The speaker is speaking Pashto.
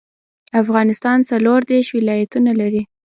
افغانستان څلوردیش ولایتونه لري.